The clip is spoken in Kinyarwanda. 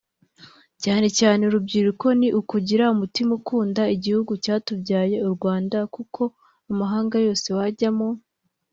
cyane cyane urubyiruko ni ukugira umutima ukunda igihugu cyatubyaye u Rwanda kuko amahanga yose wajyamo